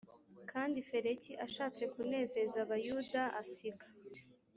kandi feliki ashatse kunezeza abayuda asiga